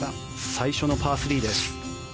最初のパー３です。